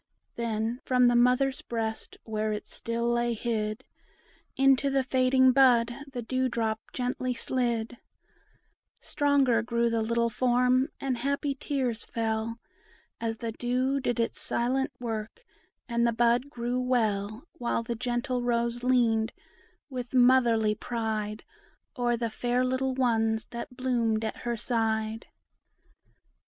Then from the mother's breast, where it still lay hid, Into the fading bud the dew drop gently slid; Stronger grew the little form, and happy tears fell, As the dew did its silent work, and the bud grew well, While the gentle rose leaned, with motherly pride, O'er the fair little ones that bloomed at her side.